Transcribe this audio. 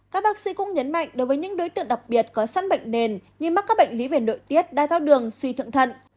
các bác sĩ cũng nhấn mạnh đối với những đối tượng đặc biệt có sẵn bệnh nền như mắc các bệnh lý về nội tiết đa thao đường suy thượng thận